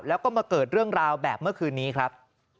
แล้วก็มาเกิดเรื่องราวแบบเมื่อคืนนี้ครับ